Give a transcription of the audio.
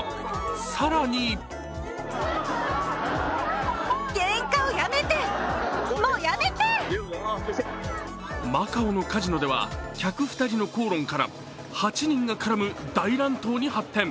更にマカオのカジノでは、客２人の口論から８人が絡む大乱闘に発展。